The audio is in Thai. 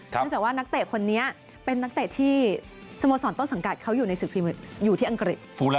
เนื่องจากว่านักเตะคนนี้เป็นนักเตะที่สโมสรต้นสังกัดเขาอยู่ในศึกอยู่ที่อังกฤษ